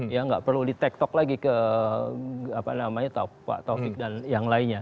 ya nggak perlu di take talk lagi ke pak taufik dan yang lainnya